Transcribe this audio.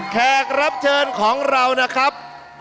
แขกรับเชิญของเรานะครับ